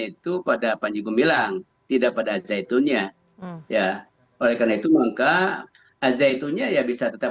itu pada panji goemilang tidak pada zaitun ya iya oleh karena itu muka aja itu nya ya bisa tetap